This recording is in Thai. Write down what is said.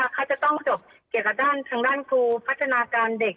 เขาจะต้องจบเกี่ยวกับด้านทางด้านครูพัฒนาการเด็ก